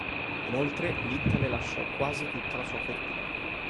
Inoltre, Litta le lasciò quasi tutta la sua fortuna.